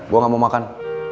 gue gak mau makan